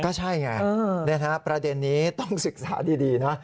ก็ใช่ไงประเด็นนี้ต้องศึกษาดีนะ